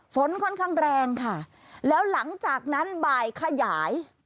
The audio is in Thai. ฝนค่อนข้างแรงค่ะแล้วหลังจากนั้นบ่ายขยาย